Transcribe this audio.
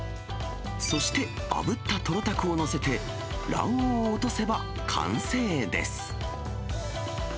そしてあぶったトロたくを載せて、卵黄を落とせば完成です。